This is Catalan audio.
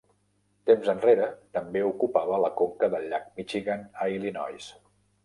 Temps enrere també ocupava la conca del llac Michigan a Illinois.